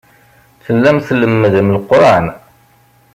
Tellam tlemmdem Leqran.